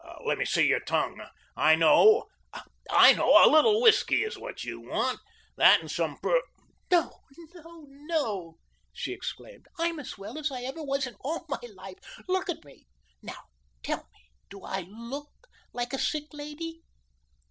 "Let me see your tongue. I know a little whiskey is what you want, that and some pru " "No, no, NO," she exclaimed. "I'm as well as I ever was in all my life. Look at me. Now, tell me, do l look likee a sick lady?"